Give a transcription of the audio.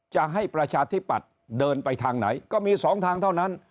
จะให้ประชาธิปัตย์เดินไปทางไหนก็มี๒ทางเท่านั้น